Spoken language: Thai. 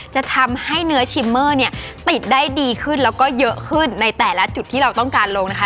จะทำให้เนื้อชิมเมอร์เนี่ยติดได้ดีขึ้นแล้วก็เยอะขึ้นในแต่ละจุดที่เราต้องการลงนะคะ